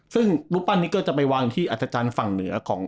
ซึ่งรูปปั้นนี้ก็จะไปวางที่อัธจันทร์ฝั่งเหนือของ